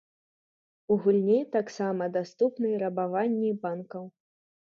У гульні таксама даступны рабаванні банкаў.